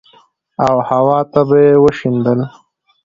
او هوا ته به يې وشيندل.